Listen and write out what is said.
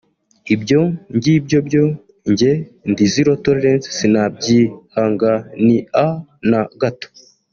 ibyo ngibyo byo njye ndi zero Torelance(sinabyihangania na gato)